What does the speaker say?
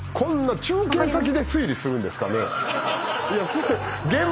中継先で推理するんですかね？